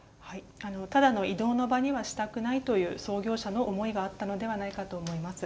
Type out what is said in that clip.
ただの移動の場にはしたくないという創業者の思いがあったのではないかと思います。